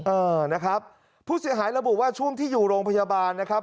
เออนะครับผู้เสียหายระบุว่าช่วงที่อยู่โรงพยาบาลนะครับ